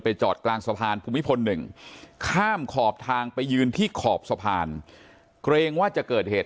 จอดกลางสะพานภูมิพล๑ข้ามขอบทางไปยืนที่ขอบสะพานเกรงว่าจะเกิดเหตุ